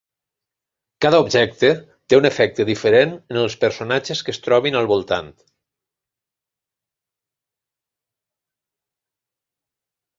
Cada objecte té un efecte diferent en els personatges que es trobin al voltant.